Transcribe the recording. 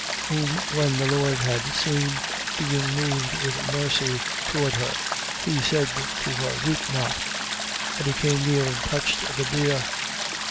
7:13. Whom when the Lord had seen, being moved with mercy towards her, he said to her: Weep not. 7:14. And he came near and touched the bier.